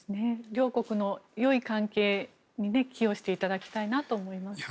両国のよい関係に寄与していただきたいなと思いますね。